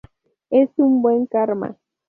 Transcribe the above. Es un buen karma.